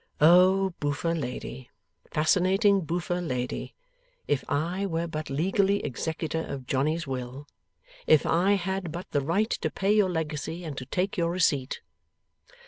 O boofer lady, fascinating boofer lady! If I were but legally executor of Johnny's will! If I had but the right to pay your legacy and to take your receipt!